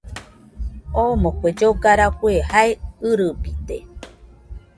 Omo kue lloga rafue jae ɨrɨbide